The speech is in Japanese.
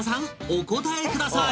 お答えください！